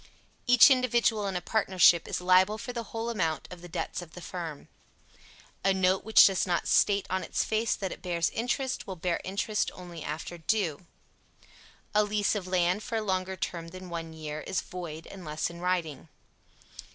Each individual in a partnership is liable for the whole amount of the debts of the firm. A note which does not state on its face that it bears interest, will bear interest only after due. A lease of land for a longer term than one year is void unless in writing.